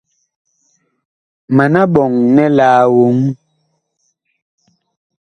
Mana ɓɔŋ nɛ laa woŋ ?